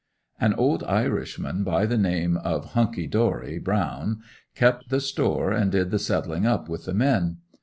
An old irishman by the name of "Hunky dorey" Brown kept the store and did the settling up with the men.